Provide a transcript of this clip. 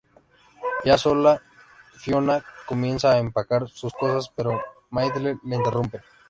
Ya sola, Fiona comienza a empacar sus cosas, pero Myrtle la interrumpe.